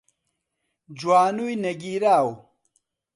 جوانووی نەگیراو